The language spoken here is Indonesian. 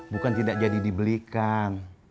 bukan tidak jadi dibelikan